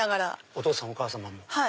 お父さんお母さまも。